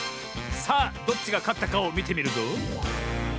さあどっちがかったかをみてみるぞ。